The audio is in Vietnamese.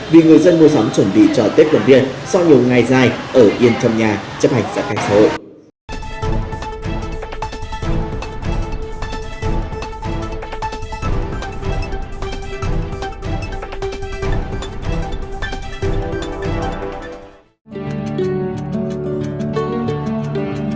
vì người dân mua sắm chuẩn bị cho tết quần biên sau nhiều ngày dài ở yên trong nhà chấp hành giãn cách xã hội